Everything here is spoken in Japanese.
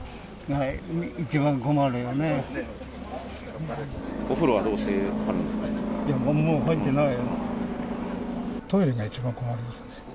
いや、トイレが一番困ります。